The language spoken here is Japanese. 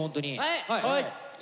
はい！